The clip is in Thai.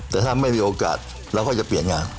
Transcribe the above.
แต่ถ้าไม่มีโอกาสเราก็จะเปลี่ยนงาน